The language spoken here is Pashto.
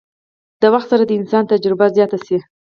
د وخت سره د انسان تجربه زياته شي